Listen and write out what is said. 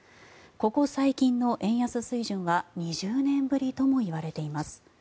ここ最近の円安水準は２０年ぶりともいわれています。